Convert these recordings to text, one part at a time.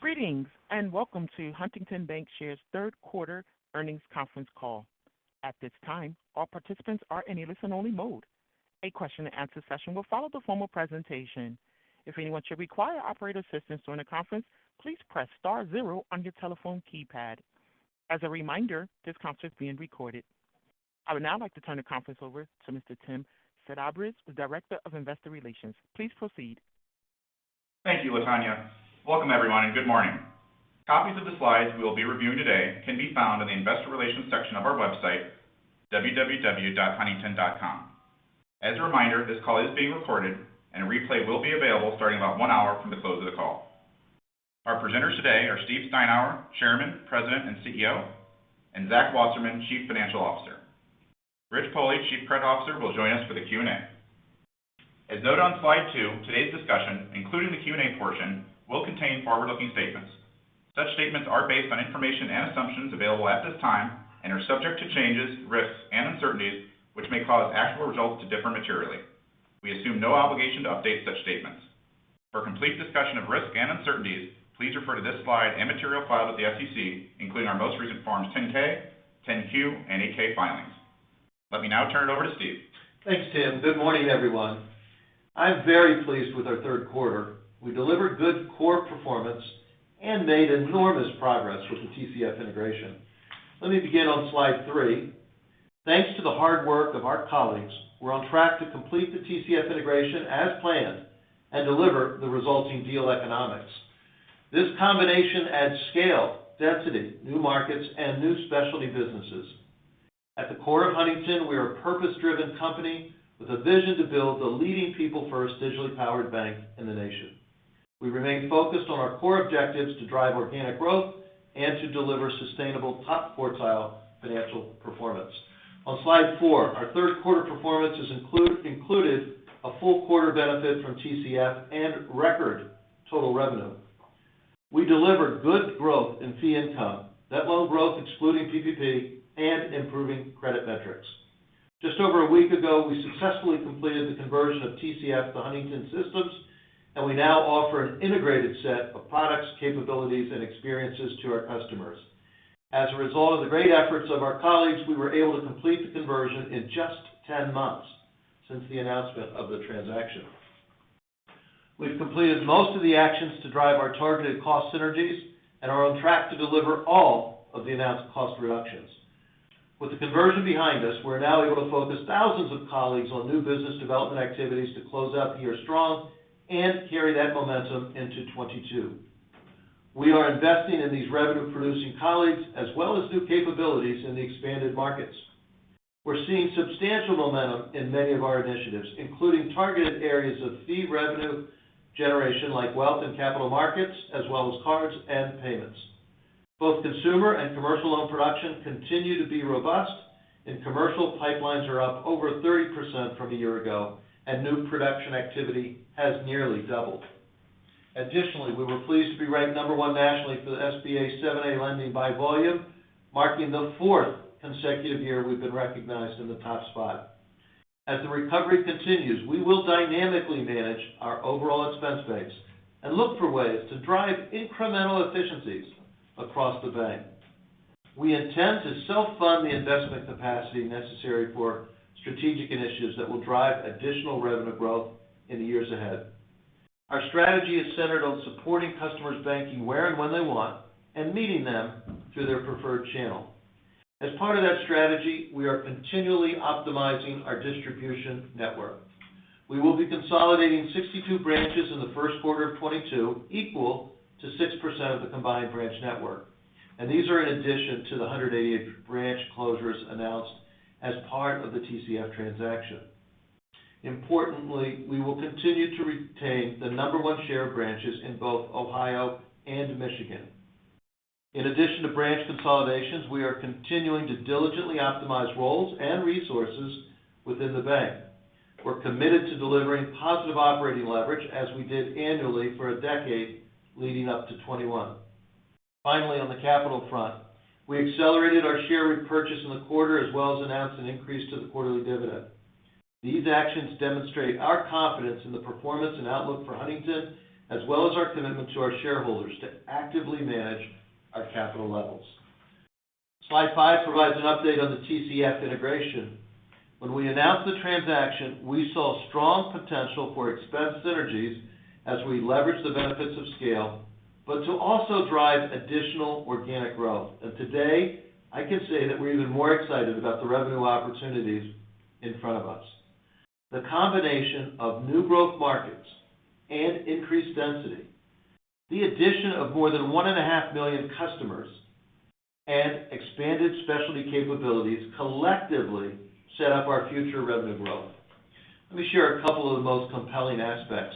Greetings, and welcome to Huntington Bancshares' Third Quarter Earnings Conference Call. At this time, all participants are in a listen-only mode. A question-and-answer session will follow the formal presentation. If anyone should require operator assistance during the conference, please press star zero on your telephone keypad. As a reminder, this conference is being recorded. I would now like to turn the conference over to Mr. Tim Sedabres, Director of Investor Relations. Please proceed. Thank you, Latonya. Welcome everyone, and good morning. Copies of the slides we will be reviewing today can be found in the Investor Relations section of our website, www.huntington.com. As a reminder, this call is being recorded and a replay will be available starting about one hour from the close of the call. Our presenters today are Steve Steinour, Chairman, President, and CEO, and Zach Wasserman, Chief Financial Officer. Rich Pohle, Chief Credit Officer, will join us for the Q&A. As noted on slide two, today's discussion, including the Q&A portion, will contain forward-looking statements. Such statements are based on information and assumptions available at this time and are subject to changes, risks, and uncertainties which may cause actual results to differ materially. We assume no obligation to update such statements. For a complete discussion of risks and uncertainties, please refer to this slide and material filed with the SEC, including our most recent forms 10-K, 10-Q, and 8-K filings. Let me now turn it over to Steve. Thanks, Tim. Good morning, everyone. I'm very pleased with our third quarter. We delivered good core performance and made enormous progress with the TCF integration. Let me begin on slide three. Thanks to the hard work of our colleagues, we're on track to complete the TCF integration as planned and deliver the resulting deal economics. This combination adds scale, density, new markets, and new specialty businesses. At the core of Huntington, we are a purpose-driven company with a vision to build the leading people first digitally powered bank in the nation. We remain focused on our core objectives to drive organic growth and to deliver sustainable top quartile financial performance. On slide four, our third quarter performance is included a full quarter benefit from TCF and record total revenue. We delivered good growth in fee income. Net loan growth excluding PPP and improving credit metrics. Just over a week ago, we successfully completed the conversion of TCF to Huntington systems, and we now offer an integrated set of products, capabilities, and experiences to our customers. As a result of the great efforts of our colleagues, we were able to complete the conversion in just 10 months since the announcement of the transaction. We've completed most of the actions to drive our targeted cost synergies and are on track to deliver all of the announced cost reductions. With the conversion behind us, we're now able to focus thousands of colleagues on new business development activities to close out the year strong and carry that momentum into 2022. We are investing in these revenue producing colleagues as well as new capabilities in the expanded markets. We're seeing substantial momentum in many of our initiatives, including targeted areas of fee revenue generation like wealth and capital markets, as well as cards and payments. Both consumer and commercial loan production continue to be robust, and commercial pipelines are up over 30% from a year ago, and new production activity has nearly doubled. Additionally, we were pleased to be ranked number one nationally for the SBA 7(a) lending by volume, marking the fourth consecutive year we've been recognized in the top spot. As the recovery continues, we will dynamically manage our overall expense base and look for ways to drive incremental efficiencies across the bank. We intend to self-fund the investment capacity necessary for strategic initiatives that will drive additional revenue growth in the years ahead. Our strategy is centered on supporting customers banking where and when they want, and meeting them through their preferred channel. As part of that strategy, we are continually optimizing our distribution network. We will be consolidating 62 branches in the first quarter of 2022, equal to 6% of the combined branch network. These are in addition to the 188 branch closures announced as part of the TCF transaction. Importantly, we will continue to retain the number one share of branches in both Ohio and Michigan. In addition to branch consolidations, we are continuing to diligently optimize roles and resources within the bank. We're committed to delivering positive operating leverage as we did annually for a decade leading up to 2021. Finally, on the capital front, we accelerated our share repurchase in the quarter, as well as announced an increase to the quarterly dividend. These actions demonstrate our confidence in the performance and outlook for Huntington, as well as our commitment to our shareholders to actively manage our capital levels. Slide five provides an update on the TCF integration. When we announced the transaction, we saw strong potential for expense synergies as we leverage the benefits of scale, but to also drive additional organic growth. Today, I can say that we're even more excited about the revenue opportunities in front of us. The combination of new growth markets and increased density, the addition of more than 1.5 million customers, and expanded specialty capabilities collectively set up our future revenue growth. Let me share a couple of the most compelling aspects.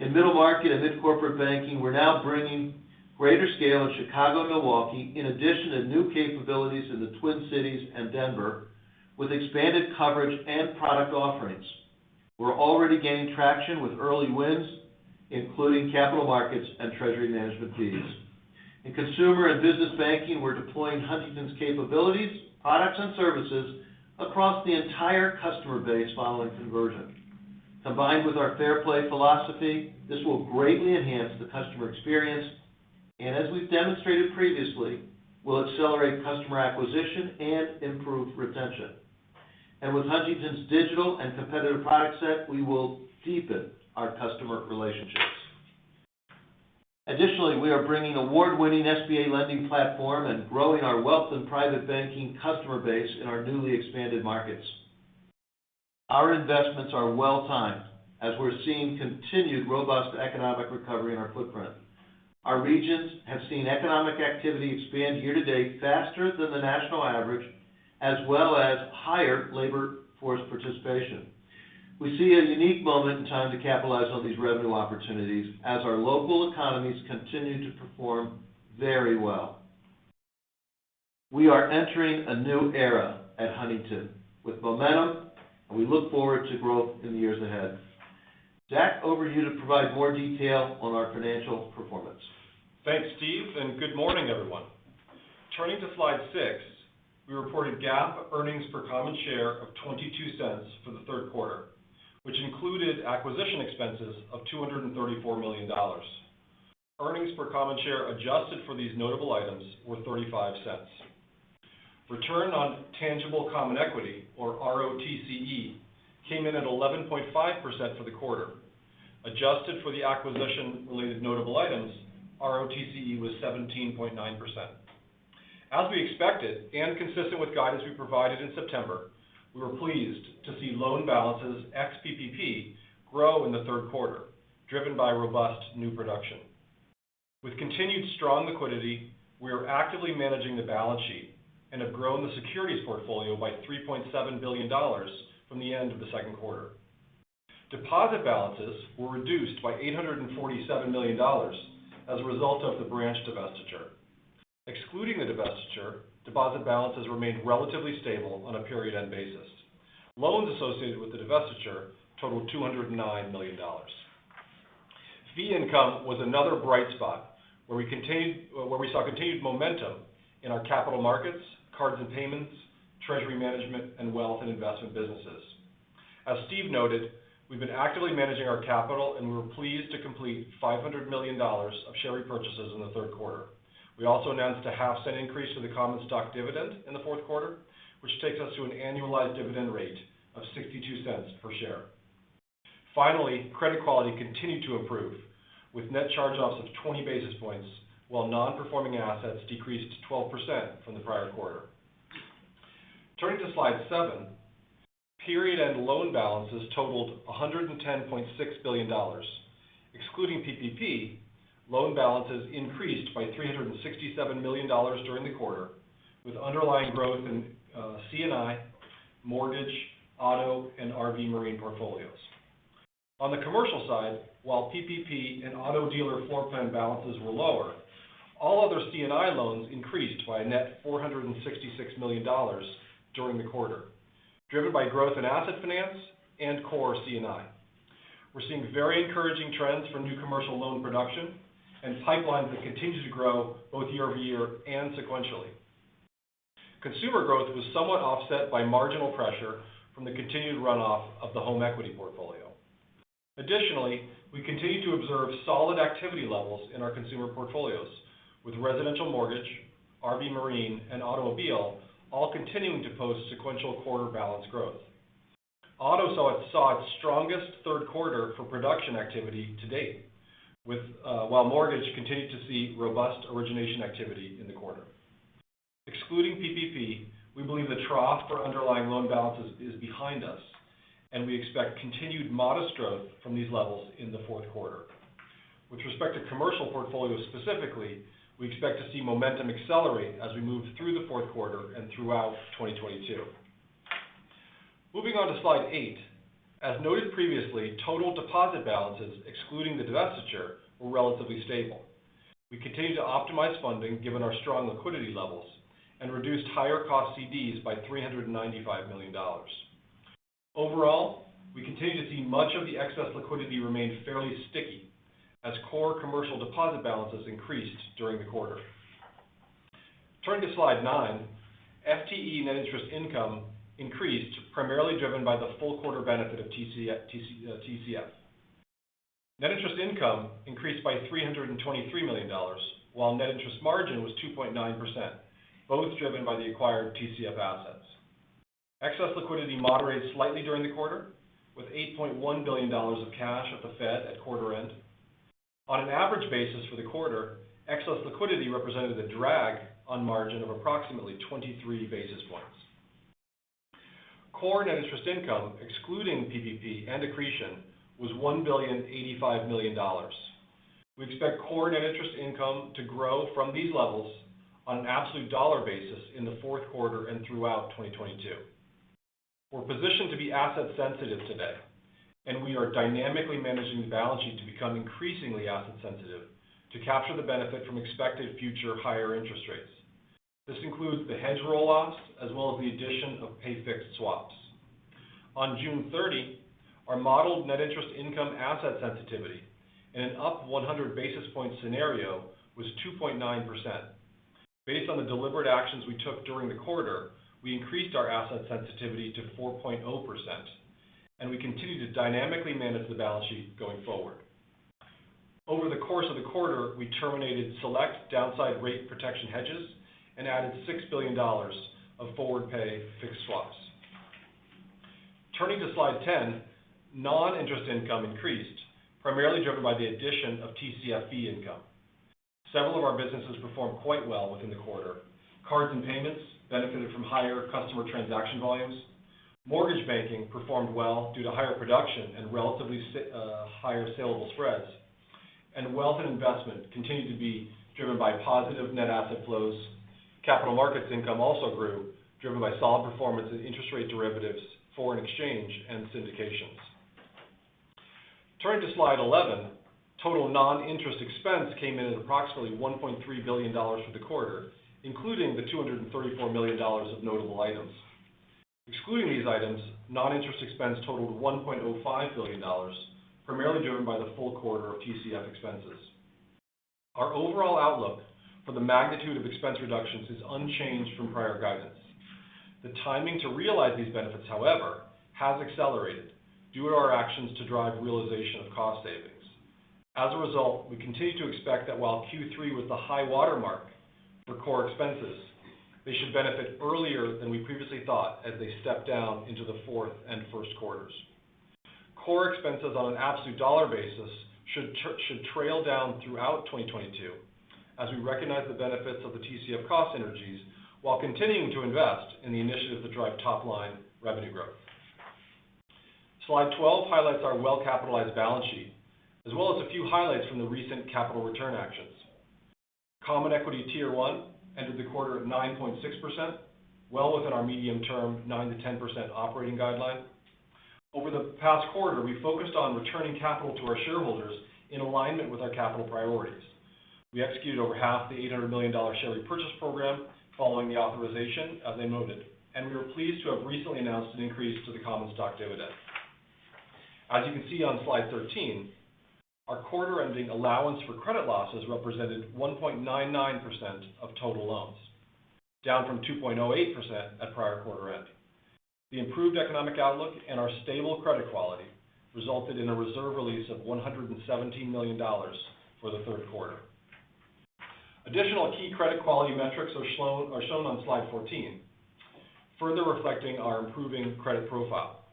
In middle market and mid-corporate banking, we're now bringing greater scale in Chicago and Milwaukee, in addition to new capabilities in the Twin Cities and Denver, with expanded coverage and product offerings. We're already gaining traction with early wins, including capital markets and treasury management fees. In consumer and business banking, we're deploying Huntington's capabilities, products, and services across the entire customer base following conversion. Combined with our Fair Play philosophy, this will greatly enhance the customer experience. As we've demonstrated previously, we'll accelerate customer acquisition and improve retention. With Huntington's digital and competitive product set, we will deepen our customer relationships. Additionally, we are bringing award-winning SBA lending platform and growing our wealth and private banking customer base in our newly expanded markets. Our investments are well-timed as we're seeing continued robust economic recovery in our footprint. Our regions have seen economic activity expand year to date faster than the national average, as well as higher labor force participation. We see a unique moment in time to capitalize on these revenue opportunities as our local economies continue to perform very well. We are entering a new era at Huntington with momentum, and we look forward to growth in the years ahead. Zach, over to you to provide more detail on our financial performance. Thanks, Steve, and good morning, everyone. Turning to slide six, we reported GAAP earnings per common share of $0.22 for the third quarter, which included acquisition expenses of $234 million. Earnings per common share adjusted for these notable items were $0.35. Return on Tangible Common Equity, or ROTCE, came in at 11.5 for the quarter. Adjusted for the acquisition related notable items, ROTCE was 17.9%. As we expected and consistent with guidance we provided in September, we were pleased to see loan balances ex-PPP grow in the third quarter, driven by robust new production. With continued strong liquidity, we are actively managing the balance sheet and have grown the securities portfolio by $3.7 billion from the end of the second quarter. Deposit balances were reduced by $847 million as a result of the branch divestiture. Excluding the divestiture, deposit balances remained relatively stable on a period end basis. Loans associated with the divestiture totaled $209 million. Fee income was another bright spot where we saw continued momentum in our capital markets, cards and payments, treasury management, and wealth and investment businesses. As Steve noted, we've been actively managing our capital, and we were pleased to complete $500 million of share repurchases in the third quarter. We also announced a half cent increase to the common stock dividend in the fourth quarter, which takes us to an annualized dividend rate of $0.62 per share. Finally, credit quality continued to improve with net charge-offs of 20 basis points while non-performing assets decreased 12% from the prior quarter. Turning to slide seven. Period-end loan balances totaled $110.6 billion. Excluding PPP, loan balances increased by $367 million during the quarter, with underlying growth in C&I, mortgage, auto, and RV/marine portfolios. On the commercial side, while PPP and auto dealer floor plan balances were lower, all other C&I loans increased by a net $466 million during the quarter, driven by growth in asset finance and core C&I. We're seeing very encouraging trends for new commercial loan production and pipelines that continue to grow both YoY and sequentially. Consumer growth was somewhat offset by marginal pressure from the continued runoff of the home equity portfolio. Additionally, we continue to observe solid activity levels in our consumer portfolios with residential mortgage, RV/marine, and automobile all continuing to post sequential quarter balance growth. Auto saw its strongest third quarter for production activity to date, while mortgage continued to see robust origination activity in the quarter. Excluding PPP, we believe the trough for underlying loan balances is behind us, and we expect continued modest growth from these levels in the fourth quarter. With respect to commercial portfolios specifically, we expect to see momentum accelerate as we move through the fourth quarter and throughout 2022. Moving on to slide eight. As noted previously, total deposit balances excluding the divestiture were relatively stable. We continue to optimize funding given our strong liquidity levels and reduced higher cost CDs by $395 million. Overall, we continue to see much of the excess liquidity remain fairly sticky as core commercial deposit balances increased during the quarter. Turning to slide nine. FTE net interest income increased primarily driven by the full quarter benefit of TCF. Net interest income increased by $323 million, while net interest margin was 2.9%, both driven by the acquired TCF assets. Excess liquidity moderated slightly during the quarter with $8.1 billion of cash at the Fed at quarter end. On an average basis for the quarter, excess liquidity represented a drag on margin of approximately 23 basis points. Core net interest income, excluding PPP and accretion, was $1.085 billion. We expect core net interest income to grow from these levels on an absolute dollar basis in the fourth quarter and throughout 2022. We're positioned to be asset sensitive today, and we are dynamically managing the balance sheet to become increasingly asset sensitive to capture the benefit from expected future higher interest rates. This includes the hedge roll-offs as well as the addition of pay fixed swaps. On June 30th, our modeled net interest income asset sensitivity in an up 100 basis point scenario was 2.9%. Based on the deliberate actions we took during the quarter, we increased our asset sensitivity to 4.0%, and we continue to dynamically manage the balance sheet going forward. Over the course of the quarter, we terminated select downside rate protection hedges and added $6 billion of forward pay fixed swaps. Turning to slide 10, non-interest income increased, primarily driven by the addition of TCF income. Several of our businesses performed quite well within the quarter. Cards and payments benefited from higher customer transaction volumes. Mortgage banking performed well due to higher production and relatively higher salable spreads. Wealth and investment continued to be driven by positive net asset flows. Capital markets income also grew, driven by solid performance in interest rate derivatives, foreign exchange, and syndications. Turning to slide 11, total non-interest expense came in at approximately $1.3 billion for the quarter, including the $234 million of notable items. Excluding these items, non-interest expense totaled $1.05 billion, primarily driven by the full quarter of TCF expenses. Our overall outlook for the magnitude of expense reductions is unchanged from prior guidance. The timing to realize these benefits, however, has accelerated due to our actions to drive realization of cost savings. As a result, we continue to expect that while Q3 was the high watermark for core expenses, they should benefit earlier than we previously thought as they step down into the fourth and first quarters. Core expenses on an absolute dollar basis should trail down throughout 2022 as we recognize the benefits of the TCF cost synergies while continuing to invest in the initiatives that drive top-line revenue growth. Slide 12 highlights our well-capitalized balance sheet, as well as a few highlights from the recent capital return actions. Common Equity Tier 1 ended the quarter at 9.6%, well within our medium-term 9%-10% operating guideline. Over the past quarter, we focused on returning capital to our shareholders in alignment with our capital priorities. We executed over half the $800 million share repurchase program following the authorization as I noted, and we are pleased to have recently announced an increase to the common stock dividend. As you can see on slide 13, our quarter-ending allowance for credit losses represented 1.99% of total loans, down from 2.08% at prior quarter end. The improved economic outlook and our stable credit quality resulted in a reserve release of $117 million for the third quarter. Additional key credit quality metrics are shown on slide 14, further reflecting our improving credit profile.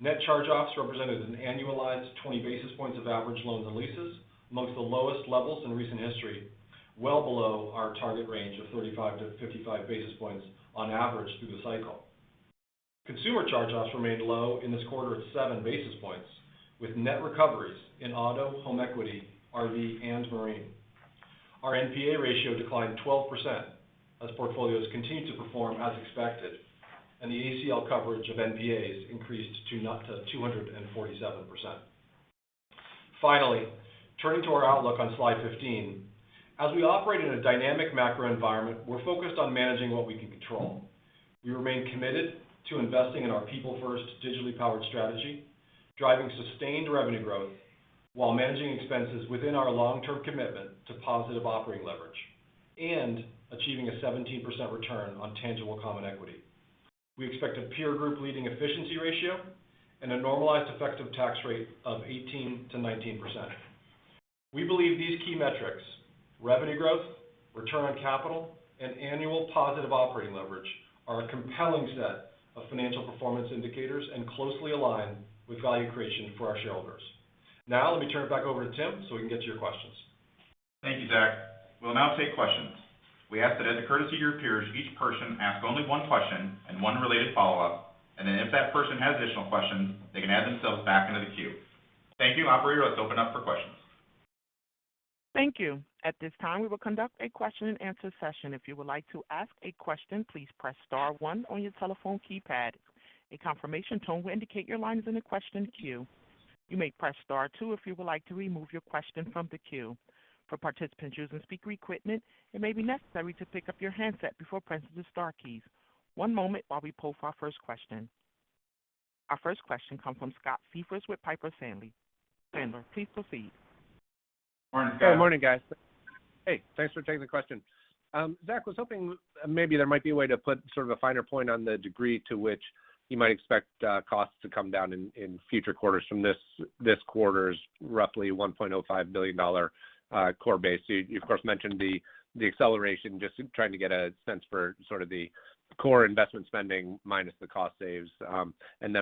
Net charge-offs represented an annualized 20 basis points of average loans and leases amongst the lowest levels in recent history, well below our target range of 35 basis points-55 basis points on average through the cycle. Consumer charge-offs remained low in this quarter at 7 basis points, with net recoveries in auto, home equity, RV, and marine. Our NPA ratio declined 12% as portfolios continued to perform as expected, and the ACL coverage of NPAs increased to 247%. Finally, turning to our outlook on slide 15. As we operate in a dynamic macro environment, we're focused on managing what we can control. We remain committed to investing in our people-first digitally powered strategy, driving sustained revenue growth while managing expenses within our long-term commitment to positive operating leverage and achieving a 17% return on tangible common equity. We expect a peer group leading efficiency ratio and a normalized effective tax rate of 18%-19%. We believe these key metrics, revenue growth, return on capital, and annual positive operating leverage, are a compelling set of financial performance indicators and closely align with value creation for our shareholders. Now, let me turn it back over to Tim so we can get to your questions. Thank you, Zach. We'll now take questions. We ask that as a courtesy to your peers, each person ask only one question and one related follow-up, and then if that person has additional questions, they can add themselves back into the queue. Thank you. Operator, let's open up for questions. Thank you. At this time, we will conduct a question-and-answer session. If you would like to ask a question, please press star one on your telephone keypad. A confirmation tone will indicate your line is in the question queue. You may press star two if you would like to remove your question from the queue. For participants using speaker equipment, it may be necessary to pick up your handset before pressing the star keys. One moment while we poll for our first question. Our first question comes from Scott Siefers with Piper Sandler. Please proceed. Morning, Scott. Good morning, guys. Hey, thanks for taking the question. Zach, I was hoping maybe there might be a way to put sort of a finer point on the degree to which you might expect costs to come down in future quarters from this quarter's roughly $1.05 billion core base. You of course mentioned the acceleration. Just trying to get a sense for sort of the core investment spending minus the cost savings.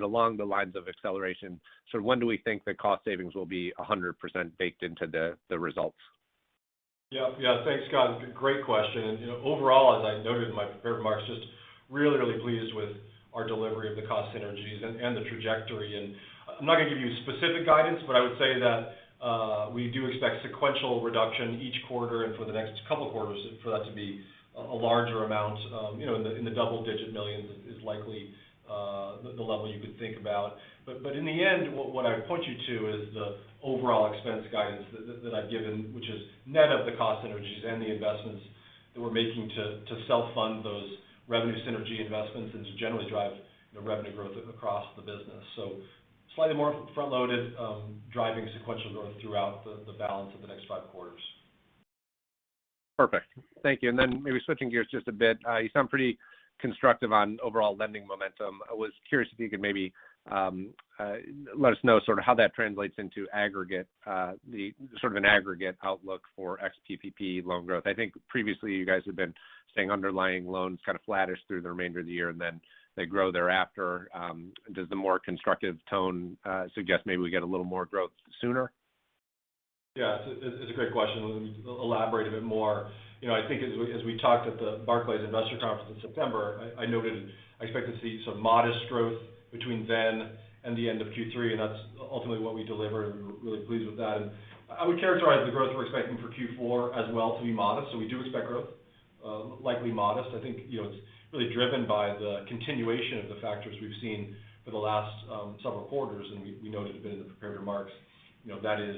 Along the lines of acceleration, sort of when do we think the cost savings will be 100% baked into the results? Yeah, yeah. Thanks, Scott. Great question. You know, overall, as I noted in my prepared remarks, just really pleased with our delivery of the cost synergies and the trajectory. I'm not going to give you specific guidance, but I would say that we do expect sequential reduction each quarter and for the next couple of quarters for that to be a larger amount, you know, in the double-digit millions is likely the level you could think about. But in the end, what I'd point you to is the overall expense guidance that I've given, which is net of the cost synergies and the investments that we're making to self-fund those revenue synergy investments and to generally drive the revenue growth across the business. Slightly more front loaded, driving sequential growth throughout the balance of the next five quarters. Perfect. Thank you. Maybe switching gears just a bit, you sound pretty constructive on overall lending momentum. I was curious if you could maybe let us know sort of how that translates into aggregate, the sort of an aggregate outlook for ex-PPP loan growth. I think previously you guys have been saying underlying loans kind of flattish through the remainder of the year, and then they grow thereafter. Does the more constructive tone suggest maybe we get a little more growth sooner? Yeah. It's a great question. Let me elaborate a bit more. You know, I think as we talked at the Barclays Investor Conference in September, I noted I expect to see some modest growth between then and the end of Q3, and that's ultimately what we delivered, and we're really pleased with that. I would characterize the growth we're expecting for Q4 as well to be modest. We do expect growth, likely modest. I think, you know, it's really driven by the continuation of the factors we've seen for the last several quarters, and we noted a bit in the prepared remarks. You know, that is,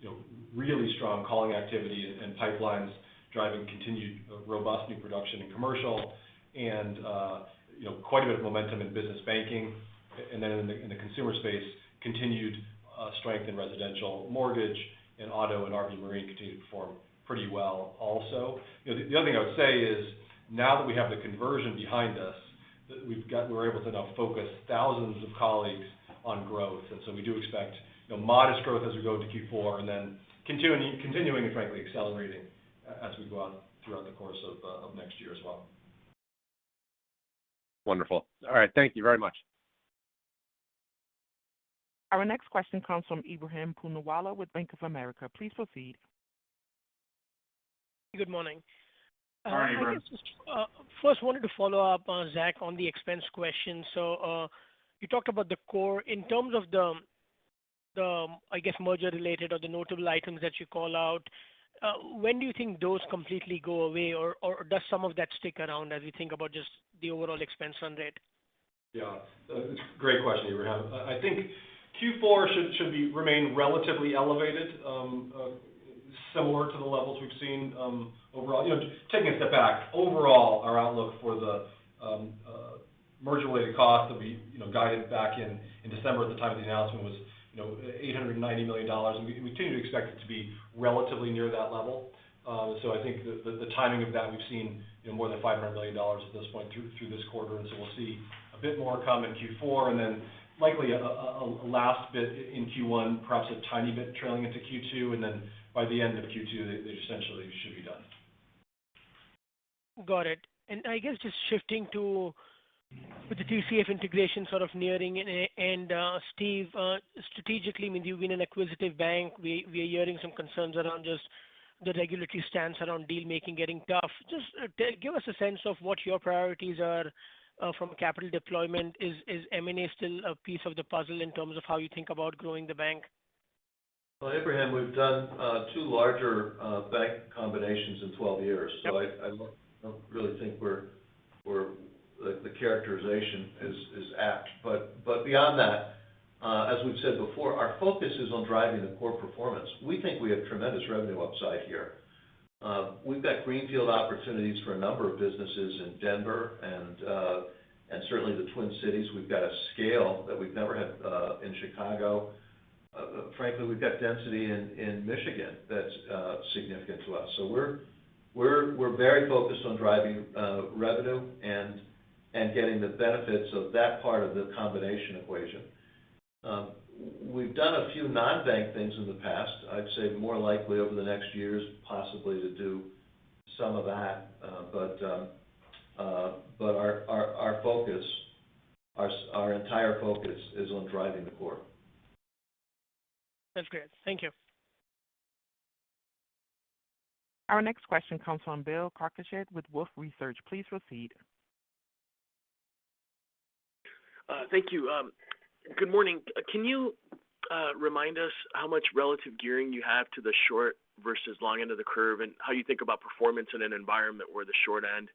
you know, really strong calling activity and pipelines driving continued robust new production and commercial and, you know, quite a bit of momentum in business banking. Then, in the consumer space, continued strength in residential mortgage and auto and RV/Marine continued to perform pretty well also. You know, the other thing I would say is now that we have the conversion behind us, we're able to now focus thousands of colleagues on growth. We do expect, you know, modest growth as we go into Q4 and then continuing and frankly accelerating as we go on throughout the course of next year as well. Wonderful. All right. Thank you very much. Our next question comes from Ebrahim Poonawala with Bank of America. Please proceed. Good morning. Hi, Ebrahim. I guess just first wanted to follow up, Zach, on the expense question. You talked about the core. In terms of the merger related or the notable items that you call out, when do you think those completely go away? Or does some of that stick around as you think about just the overall expense run rate? Yeah. Great question, Ebrahim. I think Q4 should remain relatively elevated, similar to the levels we've seen overall. You know, taking a step back, overall, our outlook for the merger related cost that we, you know, guided back in December at the time of the announcement was, you know, $890 million, and we continue to expect it to be relatively near that level. I think the timing of that, we've seen, you know, more than $500 million at this point through this quarter, and so we'll see a bit more come in Q4 and then likely a last bit in Q1, perhaps a tiny bit trailing into Q2. By the end of Q2, it essentially should be done. Got it. I guess just shifting to with the TCF integration sort of nearing. Steve, strategically, I mean, you've been an acquisitive bank. We are hearing some concerns around just the regulatory stance around deal-making getting tough. Just give us a sense of what your priorities are from a capital deployment. Is M&A still a piece of the puzzle in terms of how you think about growing the bank? Well, Ebrahim, we've done two larger bank combinations in 12 years. I don't really think the characterization is apt. Beyond that, as we've said before, our focus is on driving the core performance. We think we have tremendous revenue upside here. We've got greenfield opportunities for a number of businesses in Denver and certainly the Twin Cities. We've got a scale that we've never had in Chicago. Frankly, we've got density in Michigan that's significant to us. We're very focused on driving revenue and getting the benefits of that part of the combination equation. We've done a few non-bank things in the past. I'd say more likely over the next years, possibly to do some of that. Our entire focus is on driving the core. That's great. Thank you. Our next question comes from Bill Carcache with Wolfe Research. Please proceed. Thank you. Good morning. Can you remind us how much relative gearing you have to the short versus long end of the curve and how you think about performance in an environment where the short end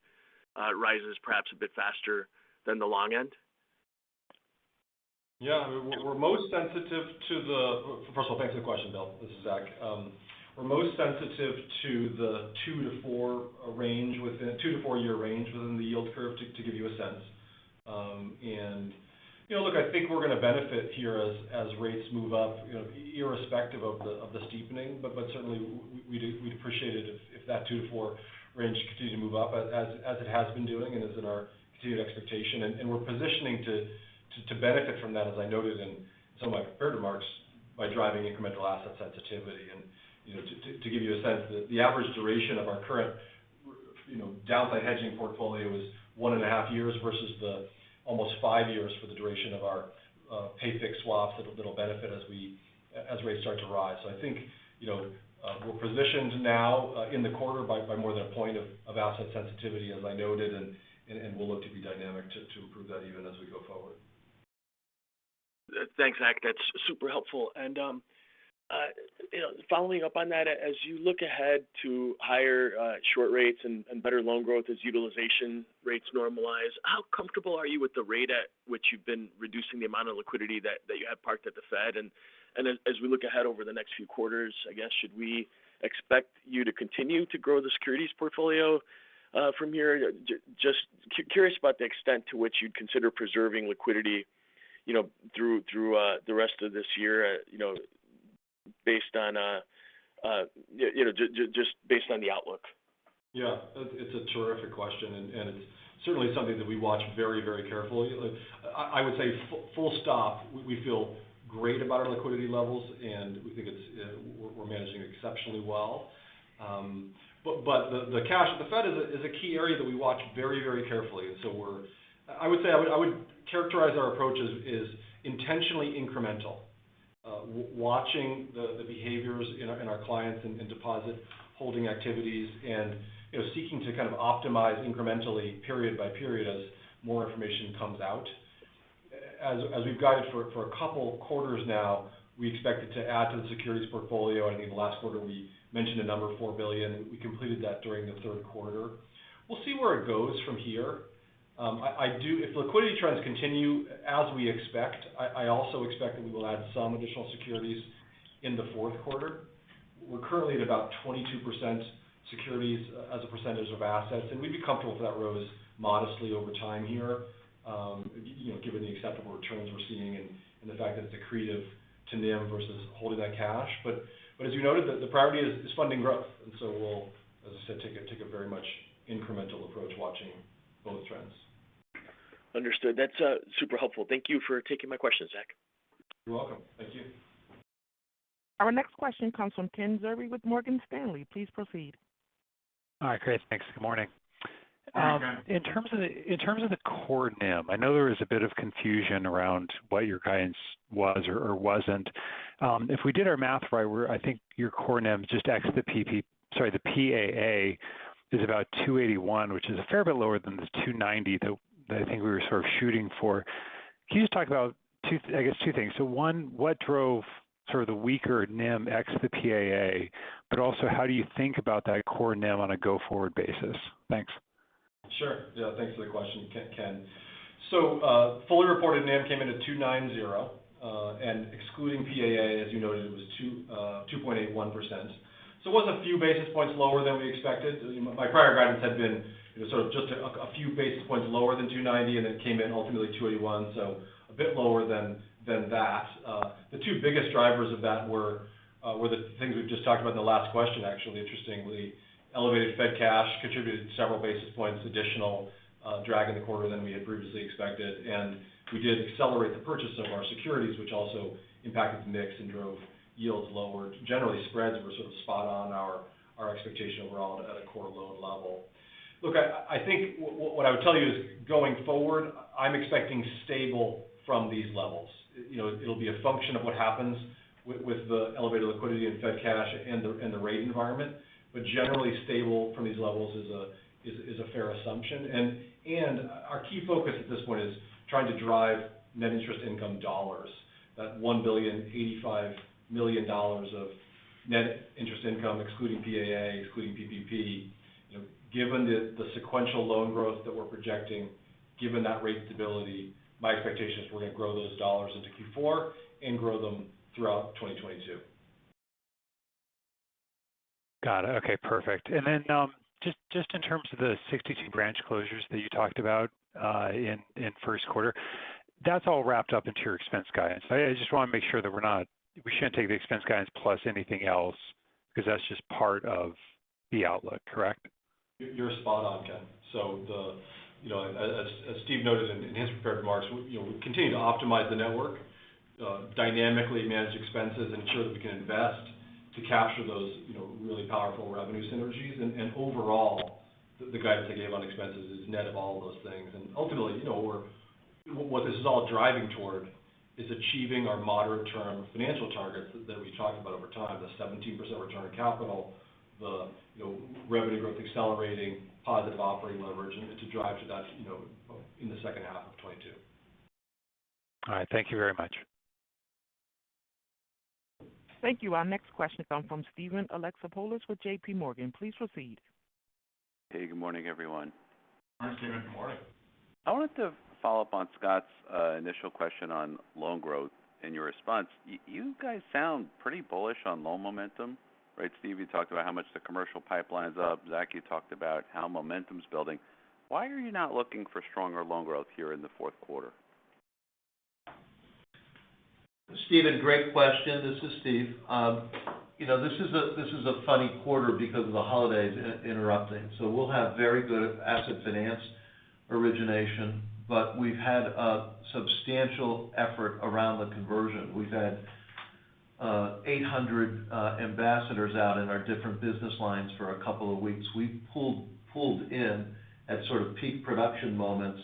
rises perhaps a bit faster than the long end? We're most sensitive to the two to four-year range within the yield curve, to give you a sense. I think we're going to benefit here as rates move up, you know, irrespective of the steepening. Certainly we'd appreciate it if that two to four range continued to move up as it has been doing and is in our continued expectation. We're positioning to benefit from that, as I noted in some of my prepared remarks, by driving incremental asset sensitivity. You know, to give you a sense, the average duration of our current, you know, downside hedging portfolio is 1.5 years versus the almost five years for the duration of our pay fixed swaps that'll benefit as rates start to rise. I think, you know, we're positioned now in the quarter by more than a point of asset sensitivity as I noted, and we'll look to be dynamic to improve that even as we go forward. Thanks, Zach. That's super helpful. You know, following up on that, as you look ahead to higher short rates and better loan growth as utilization rates normalize, how comfortable are you with the rate at which you've been reducing the amount of liquidity that you have parked at the Fed? As we look ahead over the next few quarters, I guess, should we expect you to continue to grow the securities portfolio from here? Just curious about the extent to which you'd consider preserving liquidity, you know, through the rest of this year, you know. Based on, you know, just based on the outlook. Yeah. It's a terrific question, and it's certainly something that we watch very, very carefully. Like, I would say full stop, we feel great about our liquidity levels, and we think we're managing exceptionally well. But the cash at the Fed is a key area that we watch very, very carefully. I would characterize our approach as intentionally incremental, watching the behaviors in our clients and deposit-holding activities and, you know, seeking to kind of optimize incrementally period by period as more information comes out. As we've guided for a couple quarters now, we expected to add to the securities portfolio. I think last quarter we mentioned a number $4 billion. We completed that during the third quarter. We'll see where it goes from here. If liquidity trends continue as we expect, I also expect that we will add some additional securities in the fourth quarter. We're currently at about 22% securities as a percentage of assets, and we'd be comfortable if that rose modestly over time here, you know, given the acceptable returns we're seeing and the fact that it's accretive to NIM versus holding that cash. But as you noted, the priority is funding growth. We'll, as I said, take a very much incremental approach watching both trends. Understood. That's super helpful. Thank you for taking my question, Zach. You're welcome. Thank you. Our next question comes from Ken Zerbe with Morgan Stanley. Please proceed. Hi, guys. Thanks. Good morning. Hi, Ken. In terms of the core NIM, I know there was a bit of confusion around what your guidance was or wasn't. If we did our math right, I think your core NIM just ex the PAA is about 2.81, which is a fair bit lower than the 2.90 that I think we were sort of shooting for. Can you just talk about two things? One, what drove sort of the weaker NIM ex the PAA? Also, how do you think about that core NIM on a go-forward basis? Thanks. Sure. Yeah, thanks for the question, Ken. Fully reported NIM came in at 2.90. Excluding PAA, as you noted, it was 2.81%. It was a few basis points lower than we expected. My prior guidance had been, you know, sort of just a few basis points lower than 2.90, and then it came in ultimately 2.81. It was a bit lower than that. The two biggest drivers of that were the things we've just talked about in the last question, actually, interestingly. Elevated Fed cash contributed several basis points additional drag in the quarter than we had previously expected. We did accelerate the purchase of our securities, which also impacted the mix and drove yields lower. Generally, spreads were sort of spot on our expectation overall at a core loan level. Look, I think what I would tell you is going forward, I'm expecting stable from these levels. You know, it'll be a function of what happens with the elevated liquidity and Fed cash and the rate environment. Generally stable from these levels is a fair assumption. Our key focus at this point is trying to drive net interest income dollars. That $1.085 billion of net interest income, excluding PAA, excluding PPP. You know, given the sequential loan growth that we're projecting, given that rate stability, my expectation is we're going to grow those dollars into Q4 and grow them throughout 2022. Got it. Okay, perfect. Just in terms of the 62 branch closures that you talked about in first quarter, that's all wrapped up into your expense guidance. I just want to make sure that we shouldn't take the expense guidance plus anything else because that's just part of the outlook, correct? You're spot on, Ken. The, you know, as Steve noted in his prepared remarks, you know, we continue to optimize the network, dynamically manage expenses, ensure that we can invest to capture those, you know, really powerful revenue synergies. Overall, the guidance I gave on expenses is net of all of those things. Ultimately, you know, what this is all driving toward is achieving our moderate term financial targets that we've talked about over time, the 17% return on capital, the, you know, revenue growth accelerating, positive operating leverage, and to drive to that, you know, in the second half of 2022. All right. Thank you very much. Thank you. Our next question comes from Steven Alexopoulos with JP Morgan. Please proceed. Hey, good morning, everyone. Hi, Steven. Good morning. I wanted to follow up on Scott's initial question on loan growth and your response. You guys sound pretty bullish on loan momentum, right? Steve, you talked about how much the commercial pipeline's up. Zach, you talked about how momentum's building. Why are you not looking for stronger loan growth here in the fourth quarter? Steven, great question. This is Steve. You know, this is a funny quarter because of the holidays interrupting. We'll have very good asset finance origination, but we've had a substantial effort around the conversion. We've had 800 ambassadors out in our different business lines for a couple of weeks. We pulled in at sort of peak production moments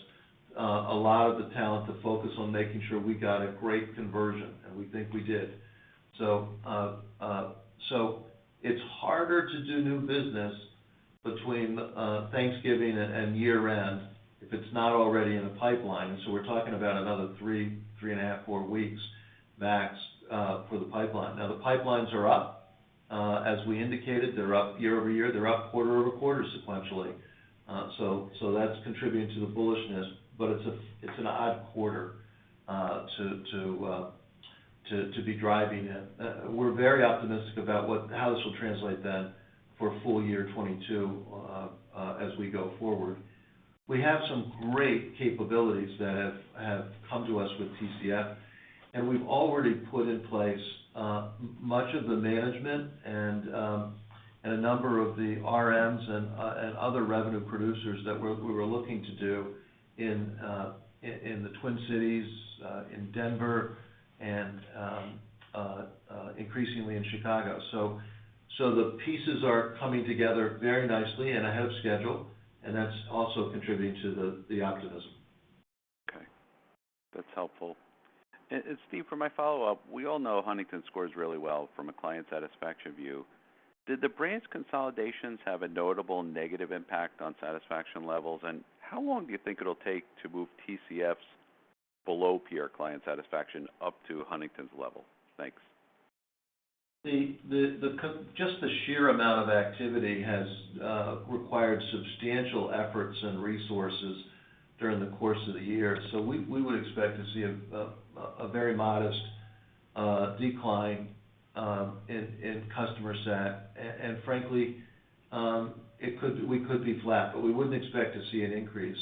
a lot of the talent to focus on making sure we got a great conversion, and we think we did. It's harder to do new business between Thanksgiving and year-end if it's not already in the pipeline. We're talking about another 3.5, 4 weeks max for the pipeline. Now, the pipelines are up. As we indicated, they're up YoY. They're up QoQ sequentially. That's contributing to the bullishness, but it's an odd quarter to be driving in. We're very optimistic about how this will translate for full year 2022 as we go forward. We have some great capabilities that have come to us with TCF, and we've already put in place much of the management and a number of the RMs and other revenue producers that we're looking to do in the Twin Cities, in Denver, and increasingly in Chicago. The pieces are coming together very nicely and ahead of schedule, and that's also contributing to the optimism. Okay. That's helpful. Steve, for my follow-up, we all know Huntington scores really well from a client satisfaction view. Did the branch consolidations have a notable negative impact on satisfaction levels? How long do you think it'll take to move TCF's below peer client satisfaction up to Huntington's level? Thanks. The sheer amount of activity has required substantial efforts and resources during the course of the year. We would expect to see a very modest decline in customer sat. Frankly, it could be flat, but we wouldn't expect to see an increase.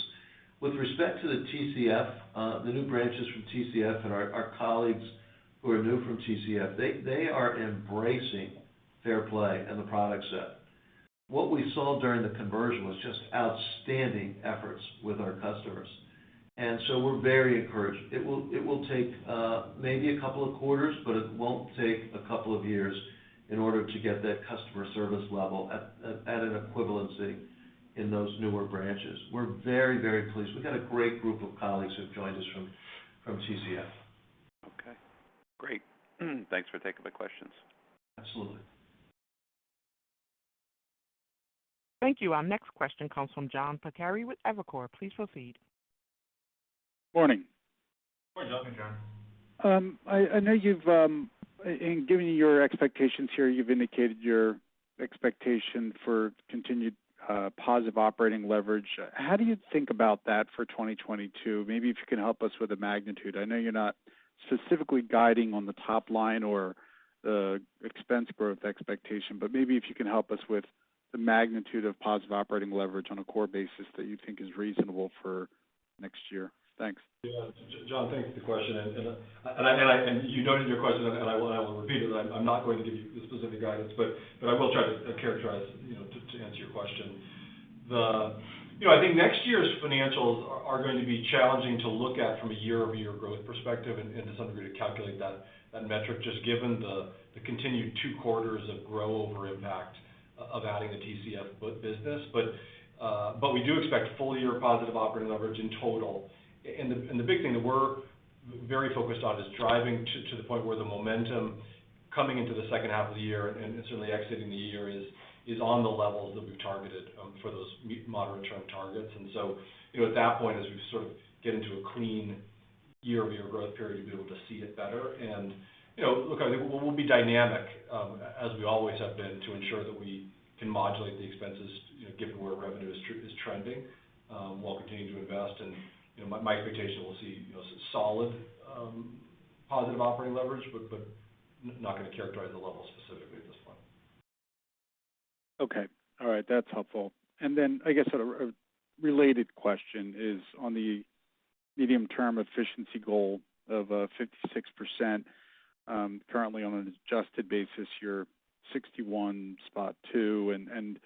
With respect to the TCF, the new branches from TCF and our colleagues who are new from TCF, they are embracing Fair Play and the product set. What we saw during the conversion was just outstanding efforts with our customers. We're very encouraged. It will take maybe a couple of quarters, but it won't take a couple of years in order to get that customer service level at an equivalency in those newer branches. We're very pleased. We've got a great group of colleagues who've joined us from TCF. Okay. Great. Thanks for taking my questions. Absolutely. Thank you. Our next question comes from John Pancari with Evercore. Please proceed. Morning. Good morning, John. I know you've in giving your expectations here, you've indicated your expectation for continued positive operating leverage. How do you think about that for 2022? Maybe if you can help us with the magnitude. I know you're not specifically guiding on the top line or expense growth expectation, but maybe if you can help us with the magnitude of positive operating leverage on a core basis that you think is reasonable for next year. Thanks. Yeah. John, thanks for the question. You noted in your question, and I will repeat it. I'm not going to give you the specific guidance, but I will try to characterize, you know, to answer your question. You know, I think next year's financials are going to be challenging to look at from a YoY growth perspective and to some degree to calculate that metric, just given the continued two quarters of growth-over impact of adding the TCF business. We do expect full year positive operating leverage in total. The big thing that we're very focused on is driving to the point where the momentum coming into the second half of the year and certainly exiting the year is on the levels that we've targeted for those moderate term targets. You know, at that point, as we sort of get into a clean YoY growth period, you'll be able to see it better. You know, look, I think we'll be dynamic as we always have been to ensure that we can modulate the expenses, you know, given where revenue is trending while continuing to invest. You know, my expectation, we'll see you know, some solid positive operating leverage, but not going to characterize the level specifically at this point. Okay. All right. That's helpful. I guess a related question is on the medium-term efficiency goal of 56%. Currently on an adjusted basis, you're 61.2.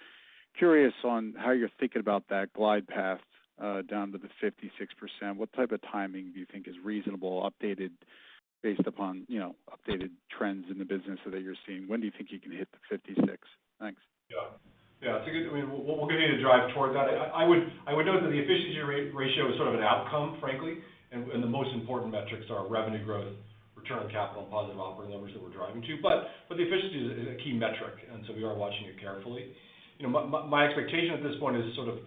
Curious on how you're thinking about that glide path down to the 56%. What type of timing do you think is reasonable updated based upon updated trends in the business that you're seeing? When do you think you can hit the 56? Thanks. Yeah. I think, I mean, we're going to drive towards that. I would note that the efficiency ratio is sort of an outcome, frankly. The most important metrics are revenue growth, return on capital, and positive operating numbers that we're driving to. The efficiency is a key metric, and so we are watching it carefully. You know, my expectation at this point is sort of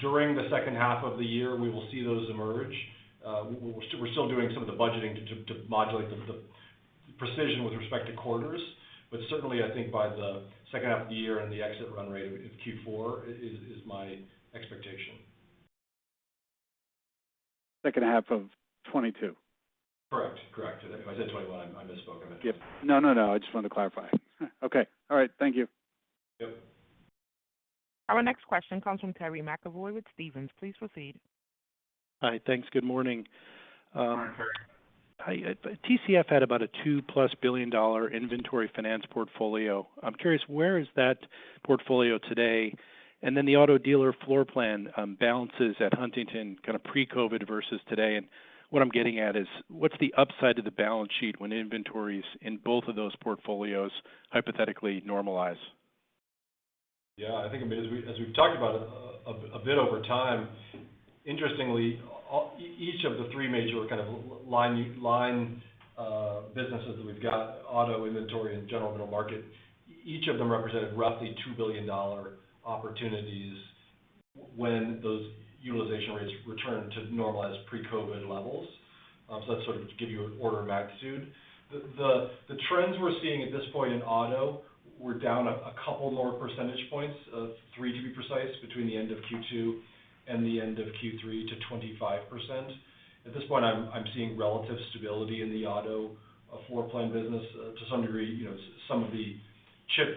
during the second half of the year, we will see those emerge. We're still doing some of the budgeting to modulate the precision with respect to quarters. Certainly, I think by the second half of the year and the exit run rate of Q4 is my expectation. Second half of 2022? Correct. I said 2021, I misspoke. I meant. No, no. I just wanted to clarify. Okay. All right. Thank you. Yep. Our next question comes from Terry McEvoy with Stephens. Please proceed. Hi. Thanks. Good morning. Morning, Terry. Hi. TCF had about a $2+ billion inventory finance portfolio. I'm curious, where is that portfolio today? The auto dealer floor plan balances at Huntington kind of pre-COVID versus today. What I'm getting at is what's the upside to the balance sheet when inventories in both of those portfolios hypothetically normalize? Yeah, I think, I mean, as we've talked about a bit over time, interestingly, each of the three major kind of line businesses that we've got, auto inventory and general middle market, each of them represented roughly $2 billion opportunities when those utilization rates return to normalized pre-COVID levels. So that's sort of give you an order of magnitude. The trends we're seeing at this point in auto were down a couple more percentage points off three, to be precise, between the end of Q2 and the end of Q3 to 25%. At this point, I'm seeing relative stability in the auto floor plan business. To some degree, you know, some of the chip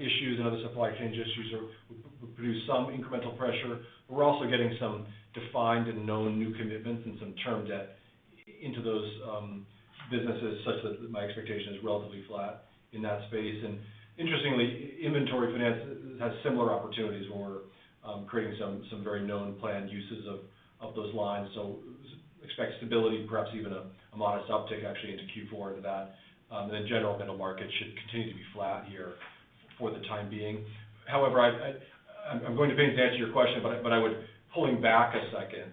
issues and other supply chain issues are produce some incremental pressure. We're also getting some defined and known new commitments and some term debt into those businesses such that my expectation is relatively flat in that space. Interestingly, inventory finance has similar opportunities where we're creating some very known planned uses of those lines. Expect stability, perhaps even a modest uptick actually into Q4 into that. The general middle market should continue to be flat here for the time being. However, I'm going to finish to answer your question, but I would, pulling back a second,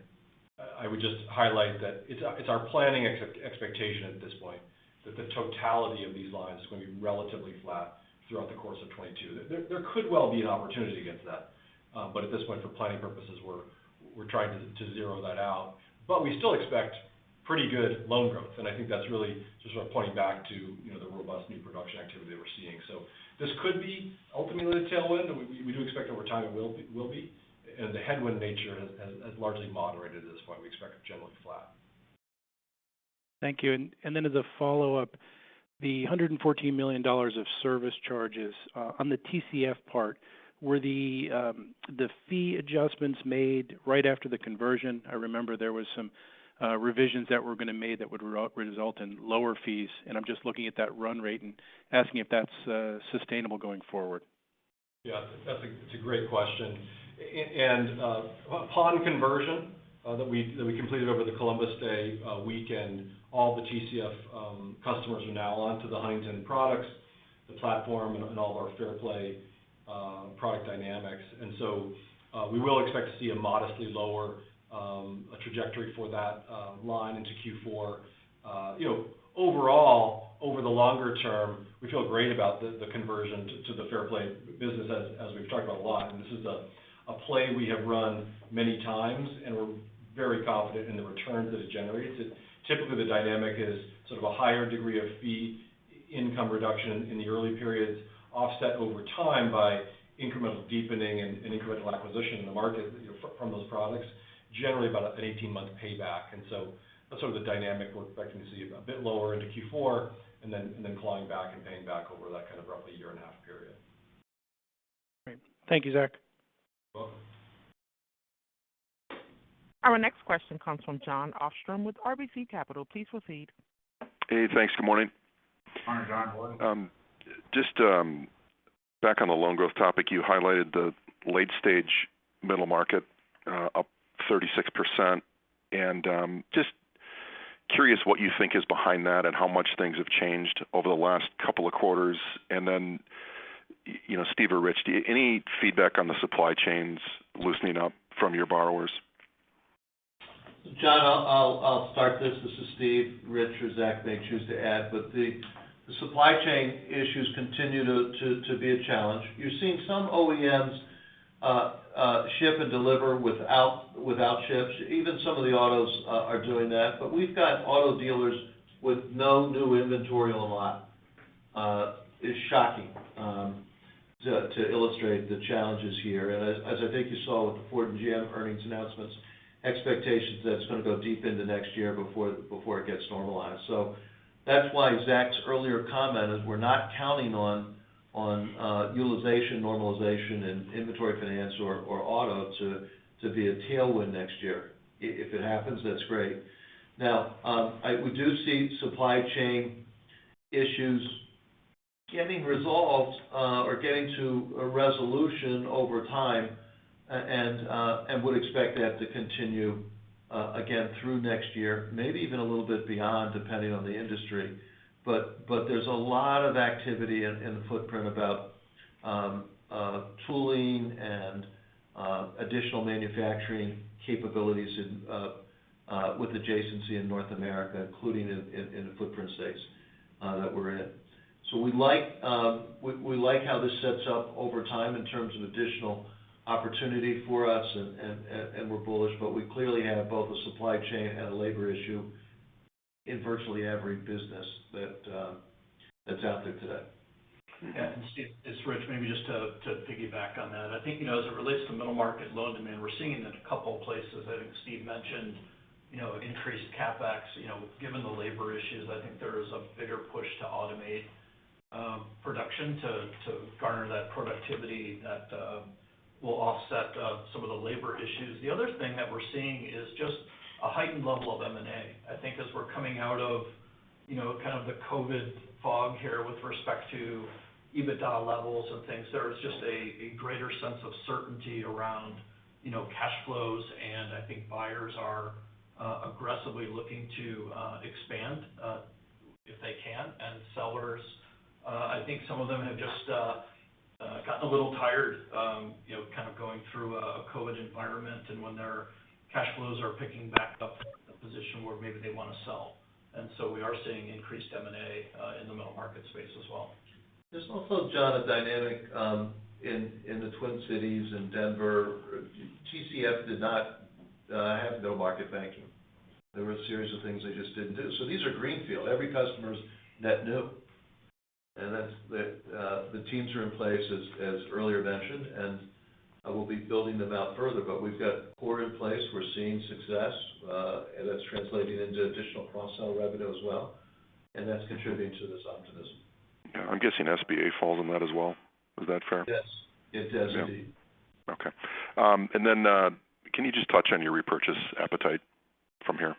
just highlight that it's our planning expectation at this point that the totality of these lines is going to be relatively flat throughout the course of 2022. There could well be an opportunity against that. At this point, for planning purposes, we're trying to zero that out. We still expect pretty good loan growth, and I think that's really just sort of pointing back to, you know, the robust new production activity that we're seeing. This could be ultimately a tailwind. We do expect over time it will be. The headwind nature has largely moderated at this point. We expect it generally flat. Thank you. As a follow-up, the $114 million of service charges on the TCF part, were the fee adjustments made right after the conversion? I remember there was some revisions that were going to made that would result in lower fees, and I'm just looking at that run rate and asking if that's sustainable going forward. Yeah. That's a great question. Upon conversion that we completed over the Columbus Day weekend, all the TCF customers are now onto the Huntington products, the platform, and all of our Fair Play product dynamics. We will expect to see a modestly lower trajectory for that line into Q4. You know, overall, over the longer term, we feel great about the conversion to the Fair Play business as we've talked about a lot. This is a play we have run many times, and we're very confident in the returns that it generates. Typically the dynamic is sort of a higher degree of fee income reduction in the early periods, offset over time by incremental deepening and incremental acquisition in the market, you know, from those products. Generally, about an 18-month payback. That's sort of the dynamic we're expecting to see a bit lower into Q4, and then climbing back and paying back over that kind of roughly year-and-a-half period. Great. Thank you, Zach. You're welcome. Our next question comes from Jon Arfstrom with RBC Capital. Please proceed. Hey, thanks. Good morning. Morning, Jon. How are you? Just back on the loan growth topic, you highlighted the late-stage middle market up 36%. Just curious what you think is behind that and how much things have changed over the last couple of quarters. You know, Steve or Rich, any feedback on the supply chains loosening up from your borrowers? Jon, I'll start this. This is Steve. Rich or Zach may choose to add. The supply chain issues continue to be a challenge. You're seeing some OEMs ship and deliver without chips. Even some of the autos are doing that. We've got auto dealers with no new inventory on the lot. It's shocking to illustrate the challenges here. As I think you saw with the Ford and GM earnings announcements, expectations that it's going to go deep into next year before it gets normalized. That's why Zach's earlier comment is we're not counting on utilization normalization and inventory finance or auto to be a tailwind next year. If it happens, that's great. Now, we do see supply chain issues getting resolved or getting to a resolution over time, and would expect that to continue again through next year, maybe even a little bit beyond, depending on the industry. There's a lot of activity in the footprint about tooling and additional manufacturing capabilities with adjacency in North America, including in the footprint states that we're in. We like how this sets up over time in terms of additional opportunity for us and we're bullish, but we clearly have both a supply chain and a labor issue in virtually every business that's out there today. Yeah. Steve, it's Rich. Maybe just to piggyback on that. I think, you know, as it relates to middle market loan demand, we're seeing it in a couple places. I think Steve mentioned, you know, increased CapEx. You know, given the labor issues, I think there is a bigger push to automate production to garner that productivity that will offset some of the labor issues. The other thing that we're seeing is just a heightened level of M&A. I think as we're coming out of, you know, kind of the COVID fog here with respect to EBITDA levels and things, there is just a greater sense of certainty around, you know, cash flows. I think buyers are aggressively looking to expand if they can. Sellers, I think some of them have just gotten a little tired, you know, kind of going through a COVID environment. When their cash flows are picking back up, in a position where maybe they want to sell. We are seeing increased M&A in the middle market space as well. There's also, Jon, a dynamic in the Twin Cities, in Denver. TCF had no market banking. There were a series of things they just didn't do. These are greenfield. Every customer's net new. And that's the teams are in place as earlier mentioned. And I will be building them out further. We've got core in place. We're seeing success, and that's translating into additional cross-sell revenue as well, and that's contributing to this optimism. Yeah. I'm guessing SBA falls in that as well. Is that fair? Yes. It does indeed. Okay. Can you just touch on your repurchase appetite from here?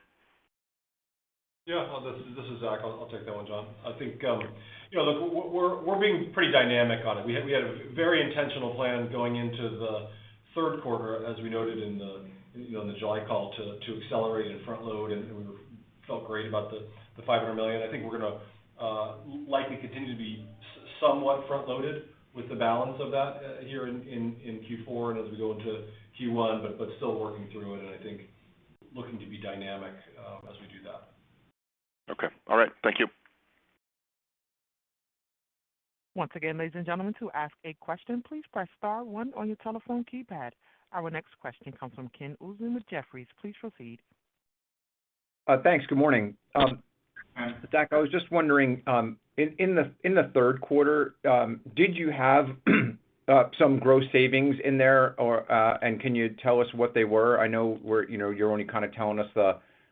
Yeah. This is Zach. I'll take that one, Jon. I think, you know, look, we're being pretty dynamic on it. We had a very intentional plan going into the third quarter, as we noted in the, you know, in the July call to accelerate and front load, and we felt great about the $500 million. I think we're gonna likely continue to be somewhat front loaded with the balance of that here in Q4 and as we go into Q1, but still working through it and I think looking to be dynamic as we do that. Okay. All right. Thank you. Once again, ladies and gentlemen, to ask a question, please press star one on your telephone keypad. Our next question comes from Ken Usdin with Jefferies. Please proceed. Thanks. Good morning. Hi. Zach, I was just wondering in the third quarter did you have some gross savings in there or and can you tell us what they were? I know we're you know you're only kind of telling us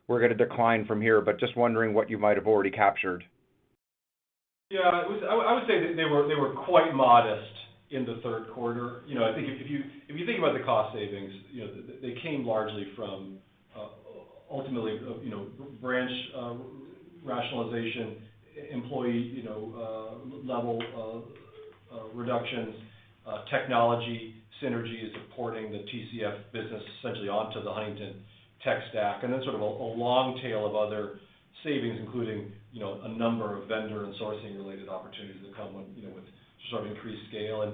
we're going to decline from here but just wondering what you might have already captured. Yeah. I would say that they were quite modest in the third quarter. You know, I think if you think about the cost savings, you know, they came largely from ultimately, you know, branch rationalization, employee, you know, level of reductions, technology synergies of porting the TCF business essentially onto the Huntington tech stack. Then sort of a long tail of other savings, including, you know, a number of vendor and sourcing related opportunities that come with, you know, with sort of increased scale.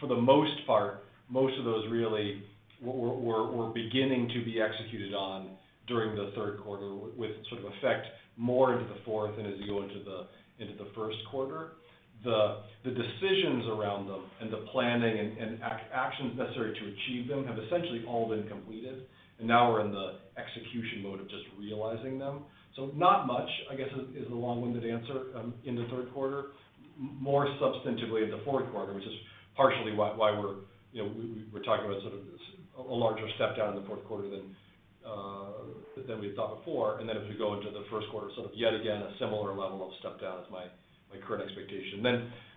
For the most part, most of those really were beginning to be executed on during the third quarter with sort of effect more into the fourth and as you go into the first quarter. The decisions around them and the planning and actions necessary to achieve them have essentially all been completed. Now we're in the execution mode of just realizing them. Not much, I guess, is the long-winded answer in the third quarter. More substantively in the fourth quarter, which is partially why we're, you know, we're talking about sort of a larger step down in the fourth quarter than we had thought before. As we go into the first quarter, sort of yet again, a similar level of step down is my current expectation.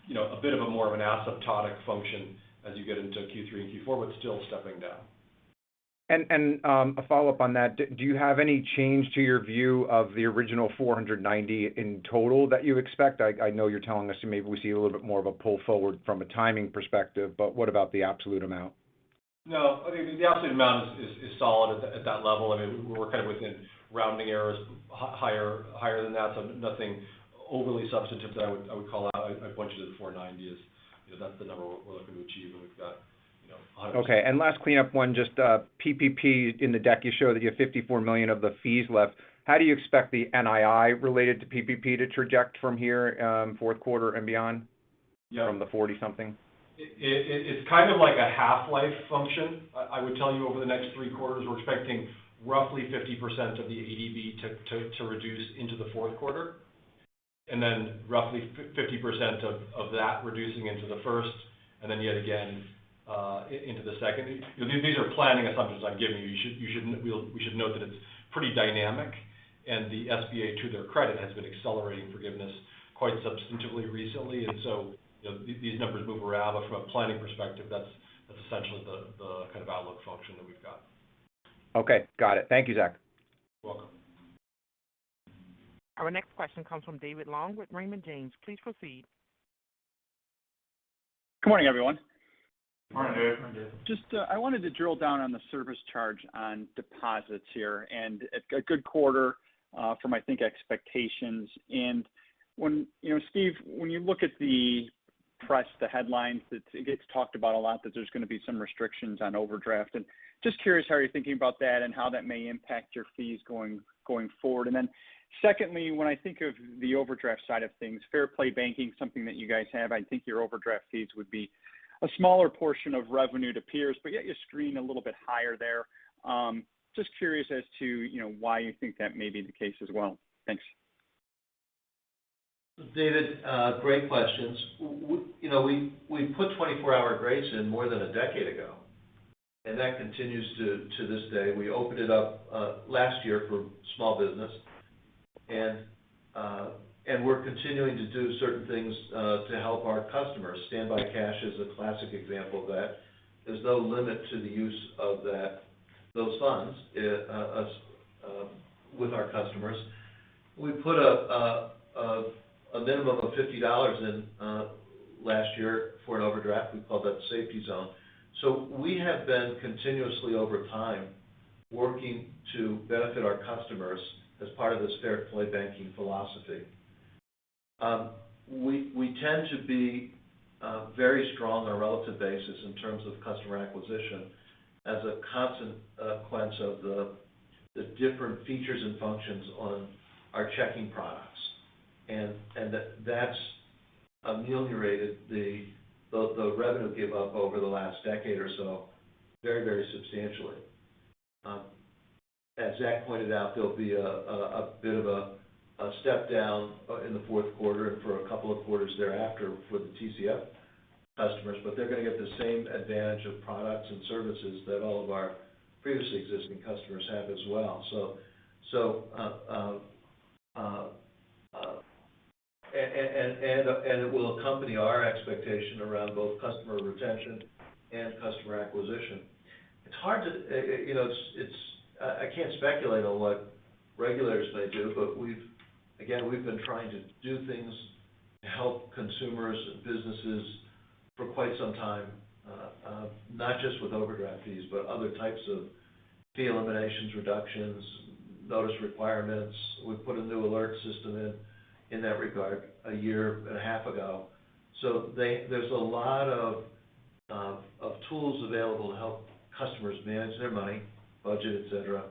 You know, a bit more of an asymptotic function as you get into Q3 and Q4, but still stepping down. A follow-up on that. Do you have any change to your view of the original 490 in total that you expect? I know you're telling us that maybe we see a little bit more of a pull forward from a timing perspective, but what about the absolute amount? No. I think the absolute amount is solid at that level. I mean, we're kind of within rounding errors higher than that. Nothing overly substantive that I would call out. I budgeted $490 as, you know, that's the number we're looking to achieve, and we've got, you know- Okay. Last cleanup one, just, PPP in the deck, you show that you have $54 million of the fees left. How do you expect the NII related to PPP to project from here, fourth quarter and beyond? Yeah. From the 40 something. It's kind of like a half-life function. I would tell you over the next three quarters, we're expecting roughly 50% of the ADB to reduce into the fourth quarter. Then roughly 50% of that reducing into the first and then yet again into the second. These are planning assumptions I'm giving you. We should note that it's pretty dynamic, and the SBA, to their credit, has been accelerating forgiveness quite substantively recently. You know, these numbers move around. From a planning perspective, that's essentially the kind of outlook function that we've got. Okay, got it. Thank you, Zach. You're welcome. Our next question comes from David Long with Raymond James. Please proceed. Good morning, everyone. Morning, David. Just, I wanted to drill down on the service charge on deposits here. A good quarter from, I think, expectations. When, you know, Steve, when you look at the press, the headlines, it gets talked about a lot that there's going to be some restrictions on overdraft. Just curious how you're thinking about that and how that may impact your fees going forward. Secondly, when I think of the overdraft side of things, Fair Play Banking, something that you guys have, I think your overdraft fees would be a smaller portion of revenue than peers, but yet yours seem a little bit higher there. Just curious as to, you know, why you think that may be the case as well. Thanks. David, great questions. We put 24-Hour Grace in more than a decade ago, and that continues to this day. We opened it up last year for small business. We're continuing to do certain things to help our customers. Standby Cash is a classic example of that. There's no limit to the use of those funds with our customers. We put a minimum of $50 in last year for an overdraft. We call that Safety Zone. We have been continuously over time working to benefit our customers as part of this Fair Play Banking philosophy. We tend to be very strong on a relative basis in terms of customer acquisition as a consequence of the different features and functions on our checking products. That's ameliorated the revenue give up over the last decade or so very substantially. As Zach pointed out, there'll be a bit of a step down in the fourth quarter and for a couple of quarters thereafter for the TCF customers. They're gonna get the same advantage of products and services that all of our previously existing customers have as well. It will accompany our expectation around both customer retention and customer acquisition. It's hard to. You know, it's I can't speculate on what regulators may do, but we've again, we've been trying to do things to help consumers and businesses for quite some time, not just with overdraft fees, but other types of fee eliminations, reductions, notice requirements. We put a new alert system in that regard a year and a half ago. There's a lot of tools available to help customers manage their money, budget, et cetera,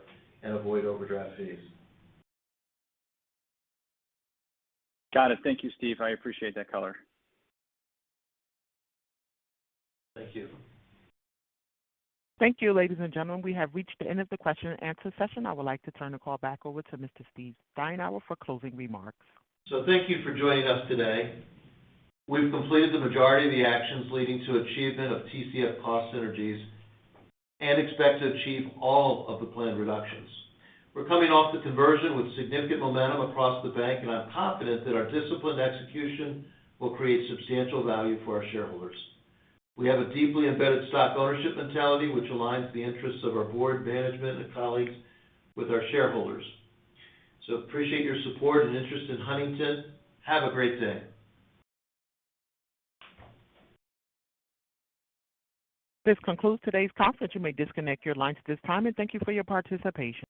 and avoid overdraft fees. Got it. Thank you, Steve. I appreciate that color. Thank you. Thank you. Ladies and gentlemen, we have reached the end of the question-and-answer session. I would like to turn the call back over to Mr. Steve Steinour for closing remarks. Thank you for joining us today. We've completed the majority of the actions leading to achievement of TCF cost synergies and expect to achieve all of the planned reductions. We're coming off the conversion with significant momentum across the bank, and I'm confident that our disciplined execution will create substantial value for our shareholders. We have a deeply embedded stock ownership mentality, which aligns the interests of our board, management and colleagues with our shareholders. Appreciate your support and interest in Huntington. Have a great day. This concludes today's conference. You may disconnect your lines at this time and thank you for your participation.